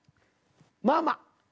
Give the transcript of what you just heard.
ママ。